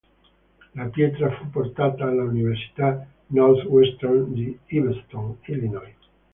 La pietra fu portata alla Università Northwestern di Evanston, Illinois.